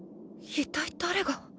一体誰が。